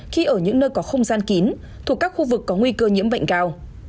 khi ở những nơi có không gian kín thuộc các khu vực có nguy cơ nhiễm bệnh cao